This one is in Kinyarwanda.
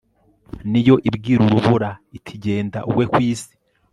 ni yo ibwira urubura, iti 'genda ugwe ku isi